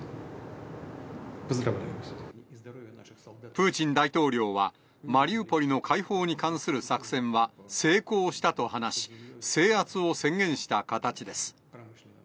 プーチン大統領は、マリウポリの解放に関する作戦は成功したと話し、制圧を宣言した形です。